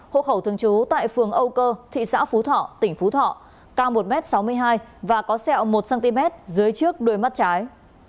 hộ khẩu thường trú tại phường âu cơ thị xã phú thọ tỉnh phú thọ cao một m sáu mươi hai và có sẹo một cm dưới trước đôi mắt trái